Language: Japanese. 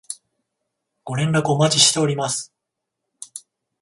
ご連絡お待ちしております